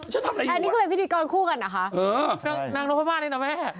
ฉันทำอะไรอยู่อันนี้ก็เป็นพิธีกรคู่กันนะคะนางนุปมาสนี่นะแม่